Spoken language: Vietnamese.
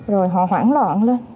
rồi họ hoảng loạn lên